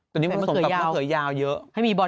ตอนนี้มันผสมกับข้าวยาวเยอะ